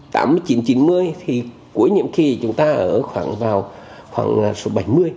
thì cuối nhiệm kỳ chúng ta ở khoảng vào khoảng số bảy mươi